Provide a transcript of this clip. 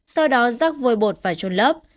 sau đó rắc vôi bột và trôn lấp